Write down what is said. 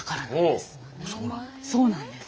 そうなんです。